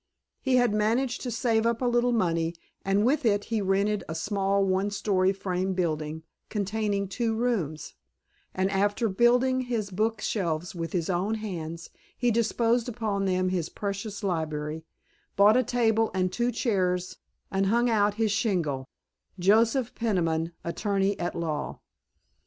He had managed to save up a little money, and with it he rented a small one story frame building containing two rooms, and after building his book shelves with his own hands he disposed upon them his precious library, bought a table and two chairs, and hung out his shingle, "Joseph Peniman, Attorney at Law."